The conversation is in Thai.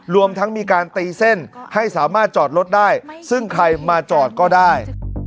รวมทั้งมีการตีเส้นให้สามารถจอดรถได้ซึ่งใครมาจอดก็ได้